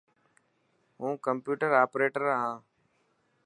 هون ڪمپيوٽر آپريٽر آن.